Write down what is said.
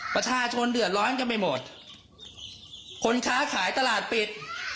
ประชาชนเดือดร้อนกันไปหมดคนค้าขายตลาดปิด